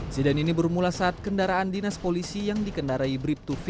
siden ini bermula saat kendaraan dinas polisi yang dikendarai brip dua v